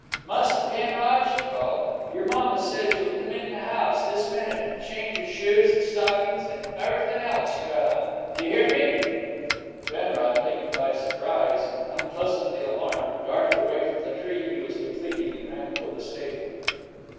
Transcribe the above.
"Musther Penrod," she called, "y'r mamma says ye'll c'm in the house this minute an' change y'r shoes an' stockin's an' everythun' else ye got on! D'ye hear me?" Penrod, taken by surprise and unpleasantly alarmed, darted away from the tree he was depleting and ran for the stable.